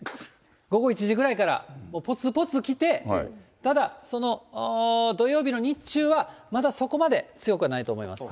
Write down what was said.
午後１時ぐらいからぽつぽつきて、ただ、その土曜日の日中は、まだそこまで強くはないと思います。